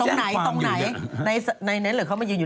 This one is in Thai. ฉันอยากจะไปแจ้งความอยู่